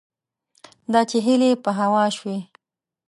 دا چې هیلې په هوا شوې